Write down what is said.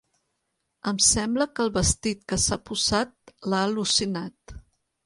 Em sembla que el vestit que s'ha posat l'ha al·lucinat.